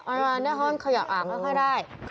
ผมนอนอยู่เฉย